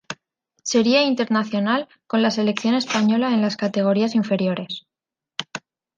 Sería internacional con la selección española en las categorías inferiores.